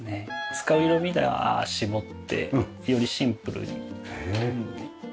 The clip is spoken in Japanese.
使う色味では絞ってよりシンプルに選びました。